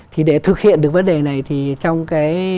thì để thực hiện được vấn đề này thì trong cái